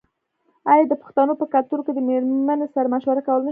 آیا د پښتنو په کلتور کې د میرمنې سره مشوره کول نشته؟